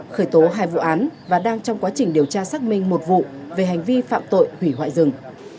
khởi tố hai vụ án và đang trong quá trình điều tra xác minh một vụ về hành vi phạm tội hủy hoại rừng